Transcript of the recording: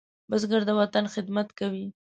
بزګر د وطن خدمت کوي